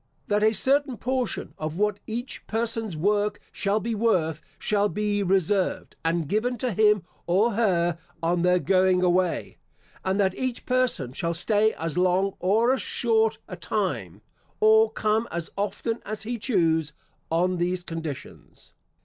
That a certain portion of what each person's work shall be worth shall be reserved, and given to him or her, on their going away; and that each person shall stay as long or as short a time, or come as often as he choose, on these conditions.